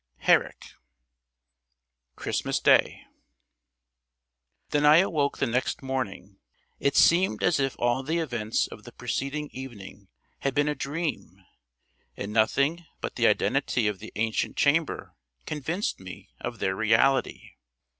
HERRICK. CHRISTMAS DAY [Illustration: W] When I awoke the next morning, it seemed as if all the events of the preceding evening had been a dream, and nothing but the identity of the ancient chamber convinced me of their reality.